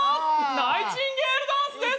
ナイチンゲールダンスです！